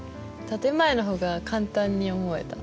建て前の方が簡単に思えた。